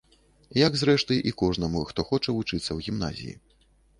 Як, зрэшты, і кожнаму, хто хоча вучыцца ў гімназіі.